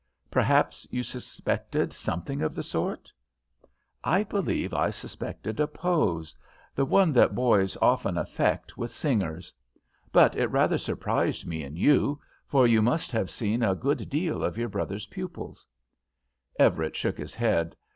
Perhaps you suspected something of the sort?" "I believe I suspected a pose; the one that boys often affect with singers. But it rather surprised me in you, for you must have seen a good deal of your brother's pupils." Everett shook his head.